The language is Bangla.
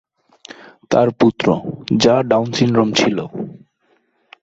তার পুত্র, যা ডাউন সিনড্রোম ছিল।